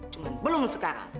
cuma belum sekarang